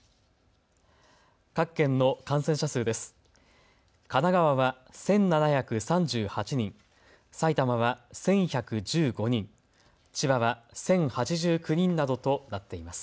各県の感染者数です。